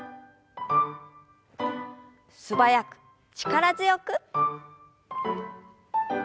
素早く力強く。